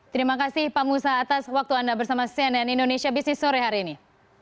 terima kasih pak musa atas waktu anda bersama cnn indonesia business sore hari ini